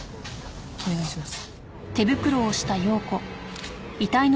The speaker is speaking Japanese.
お願いします。